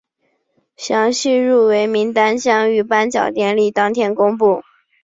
详细入围名单将于颁奖典礼当天公布。